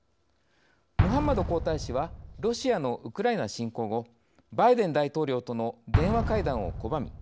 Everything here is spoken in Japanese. ムハンマド皇太子はロシアのウクライナ侵攻後バイデン大統領との電話会談を拒み